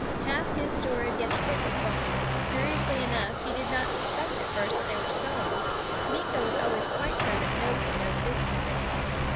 Half his store of yesterday was gone. Curiously enough, he did not suspect at first that they were stolen. Meeko is always quite sure that nobody knows his secrets.